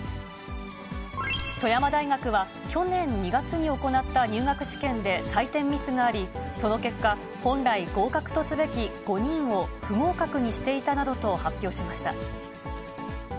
富山大学は、去年２月に行った入学試験で採点ミスがあり、その結果、本来、合格とすべき５人を不合格にしていたなどと発表しました。